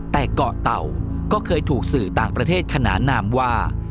แต่เกาะเต่าก็เคยถูกสื่อต่างประเทศขนานนามว่า